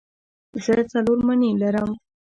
زه څلور مڼې لرم.